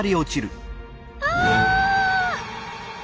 ああ！